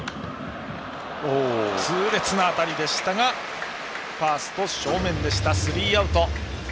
痛烈な当たりでしたがファーストの正面でスリーアウト。